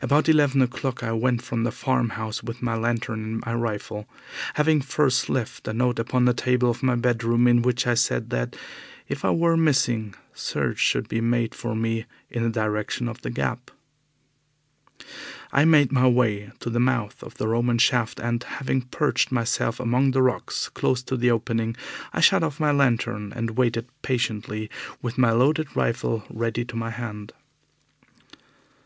About eleven o'clock I went from the farm house with my lantern and my rifle, having first left a note upon the table of my bedroom in which I said that, if I were missing, search should be made for me in the direction of the Gap. I made my way to the mouth of the Roman shaft, and, having perched myself among the rocks close to the opening, I shut off my lantern and waited patiently with my loaded rifle ready to my hand.